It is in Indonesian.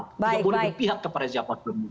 tidak boleh dipihak kepada siapa siapa